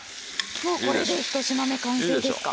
もうこれで１品目完成ですか？